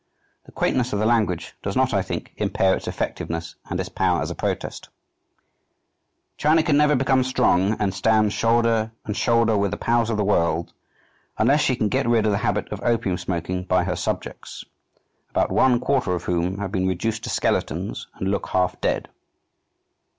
The quaintness of the language does not, I think, impair its effectiveness and its power as a protest: "China can never become strong and stand shoulder and shoulder with the powers of the world unless she can get rid of the habit of opium smoking by her subjects, about one quarter of whom have been reduced to skeletons and look half dead."